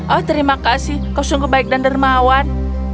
oh terima kasih kau sungguh baik dan dermawan